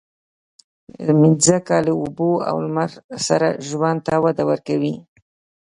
مځکه له اوبو او لمر سره ژوند ته وده ورکوي.